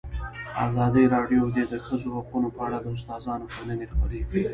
ازادي راډیو د د ښځو حقونه په اړه د استادانو شننې خپرې کړي.